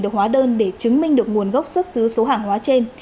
được hóa đơn để chứng minh được nguồn gốc xuất xứ số hàng hóa trên